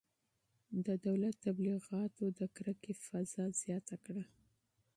د دولت تبلیغاتو د کرکې فضا زیاته کړه.